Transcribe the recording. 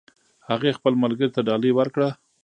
هغې خپل ملګري ته ډالۍ ورکړه